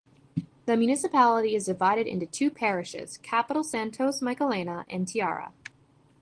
The municipality is divided into two parishes: Capital Santos Michelena and Tiara.